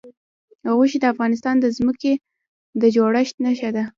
غوښې د افغانستان د ځمکې د جوړښت نښه ده.